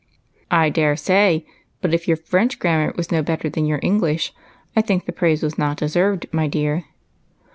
" I dare say ; but if your French grammar was no better than your English, I think the praise was not deserved, my dear."